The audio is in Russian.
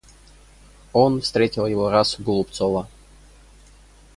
Он встретил его раз у Голубцова.